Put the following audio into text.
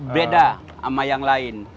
beda sama yang lain